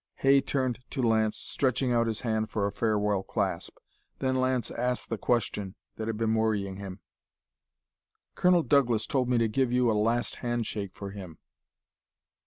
Hay turned to Lance, stretching out his hand for a farewell clasp. Then Lance asked the question that had been worrying him. "Colonel Douglas told me to give you a last handshake for him.